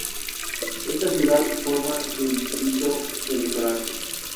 Esta ciudad forma su propio Distrito Electoral.